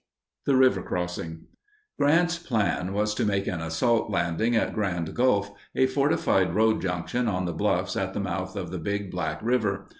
THE RIVER CROSSING. Grant's plan was to make an assault landing at Grand Gulf, a fortified road junction on the bluffs at the mouth of the Big Black River.